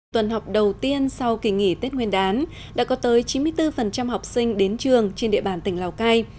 tuần học đầu tiên sau kỳ nghỉ tết nguyên đán đã có tới chín mươi bốn học sinh đến trường trên địa bàn tỉnh lào cai